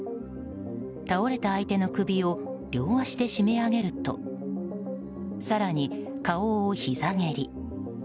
倒れた相手の首を両足で締め上げると更に顔をひざ蹴り。